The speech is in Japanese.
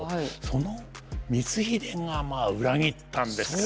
その光秀がまあ裏切ったんですから。